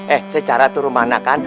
eh secara tuh rumana kan